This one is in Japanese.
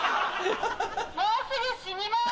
もうすぐ死にます。